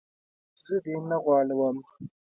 زه دې نه غولوم.